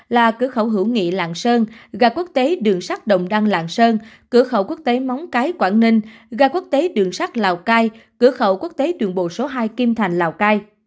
là cửa khẩu hữu nghị lạng sơn gà quốc tế đường sắt đồng đăng lạng sơn cửa khẩu quốc tế móng cái quảng ninh gà quốc tế đường sắt lào cai cửa khẩu quốc tế đường bộ số hai kim thành lào cai